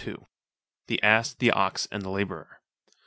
The Ass, the Ox, and the Labourer.